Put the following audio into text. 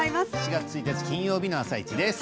７月１日金曜日の「あさイチ」です。